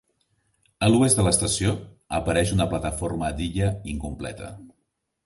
A l'oest de l'estació, apareix una plataforma d'illa incompleta.